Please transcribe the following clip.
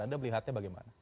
anda melihatnya bagaimana